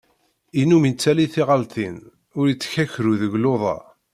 Innum ittali tiɣaltin, ur ittkakru deg luḍa.